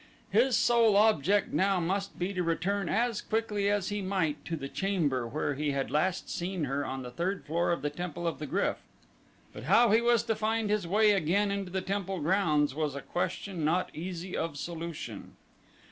His sole object now must be to return as quickly as he might to the chamber where he had last seen her on the third floor of the Temple of the Gryf, but how he was to find his way again into the temple grounds was a question not easy of solution.